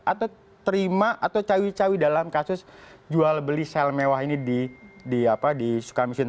atau terima atau cawi cawi dalam kasus jual beli sel mewah ini di sukamission